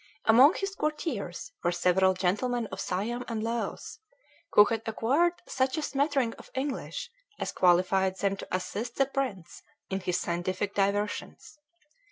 Among his courtiers were several gentlemen of Siam and Laos, who had acquired such a smattering of English as qualified them to assist the prince in his scientific diversions.